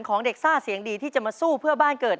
ของเด็กซ่าเสียงดีที่จะมาสู้เพื่อบ้านเกิด